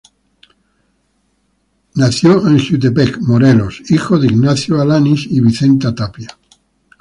Nació en Jiutepec, Morelos, hijo de Ignacio Alanís y Vicenta Tapia.